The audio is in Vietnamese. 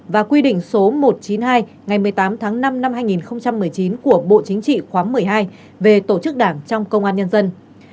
và quy định số một trăm chín mươi hai ngày một mươi tám tháng năm năm hai nghìn một mươi chín của bộ chính trị khóa một mươi hai về tổ chức đảng trong công an nhân dân